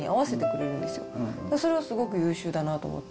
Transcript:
それがすごく優秀だなと思って。